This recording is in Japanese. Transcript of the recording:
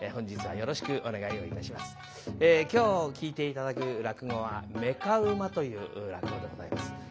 今日聴いて頂く落語は「妾馬」という落語でございます。